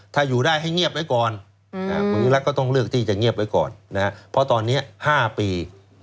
ถ้าอยู่ได้ให้เงียบไว้ก่อนคุณยิ่งรักก็ต้องเลือกที่จะเงียบไว้ก่อนนะครับเพราะตอนนี้๕ปี